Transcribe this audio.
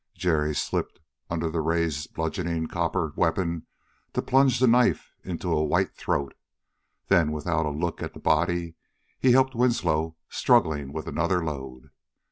Jerry slipped under the raised bludgeoning copper weapon to plunge the knife into a white throat. Then, without a look at the body he helped Winslow, struggling with another load.